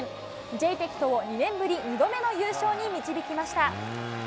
ジェイテクトを２年ぶり、２度目の優勝に導きました。